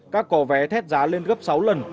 các cỏ vé thét giá lên gấp sáu lần